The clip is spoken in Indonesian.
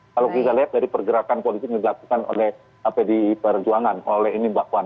kalau kita lihat dari pergerakan politik yang dilakukan oleh pdi perjuangan oleh ini mbak puan